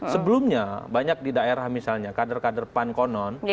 sebelumnya banyak di daerah misalnya kader kader pan konon